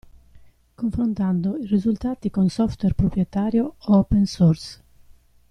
Confrontando i risultati con software proprietario o open source.